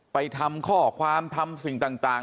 ไปทำข้อความทำสิ่งต่าง